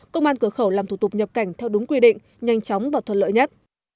công an cửa khẩu làm thủ tục nhập cảnh theo đúng quy định nhanh chóng và thuận lợi nhất